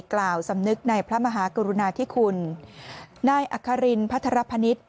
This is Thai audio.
กล่าวสำนึกในพระมหากรุณาธิคุณนายอัครินพัทรพนิษฐ์